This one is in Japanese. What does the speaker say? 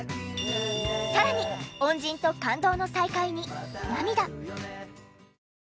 さらに恩人と感動の再会に涙。